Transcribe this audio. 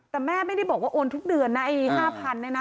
แต่แม่ไม่ได้บอกว่าโอนทุกเดือนนะไอ้๕๐๐เนี่ยนะ